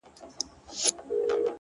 o چاته يې لمنه كي څـه رانــه وړل،